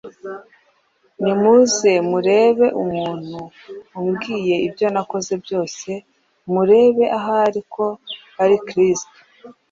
Nimuze murebe umuntu umbwiye ibyo nakoze byose, murebe ahari ko ari Kristo.”